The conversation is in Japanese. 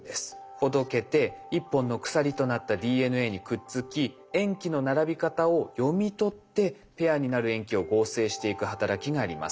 ほどけて１本の鎖となったＤＮＡにくっつき塩基の並び方を読み取ってペアになる塩基を合成していく働きがあります。